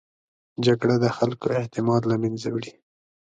جګړه د خلکو اعتماد له منځه وړي